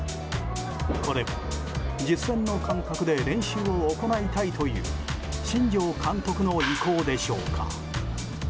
これも実践の感覚で練習を行いたいという新庄監督の意向でしょうか。